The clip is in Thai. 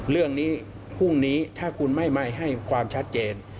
เรื่องนี้พรุ่งนี้ถ้าคุณไม่ให้ความชัดเจน